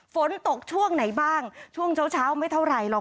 ฝนตกช่วงไหนบ้างช่วงเช้าไม่เท่าไหร่หรอก